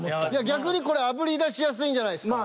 逆にこれあぶり出しやすいんじゃないすか。